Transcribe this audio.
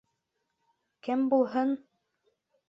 — Кем булһын?